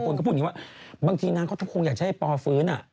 คนก็พูดอย่างนี้ว่าบางทีนางเขาคงอยากจะให้ปอฟื้น